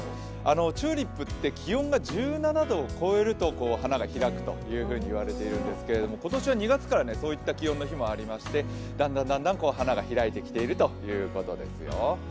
チューリップって気温が１７度を超えると花が開くと言われているんですけれども、今年は２月からそういった気温の日もありましてだんだん花が開いてきているということですよ。